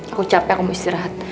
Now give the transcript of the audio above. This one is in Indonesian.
aku capek aku mau istirahat